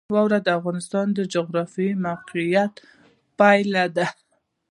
واوره د افغانستان د جغرافیایي موقیعت پایله ده.